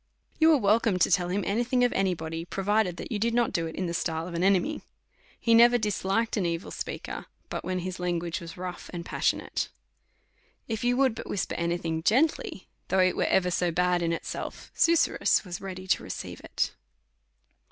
You was welcome to tell him any thing of any body, provided that you did not do it in the style of an enemy. He never dis liked an evil speaker, but when his language was rough and passionate. If you would but whisper any thing gently, though it was ever so bad in itself, Su surrus was ready to receive it.